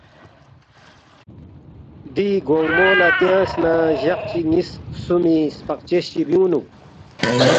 دِی گونگمو لہ تیانگس نہ جق چی نِ٘یس خسُومی سپقچس چی بیُونگنُوک